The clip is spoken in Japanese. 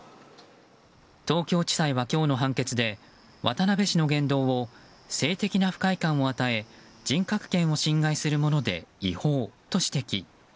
東京地裁は今日の判決で渡部氏の言動を性的な不快感を与え人格権を侵害するもので違法と指摘。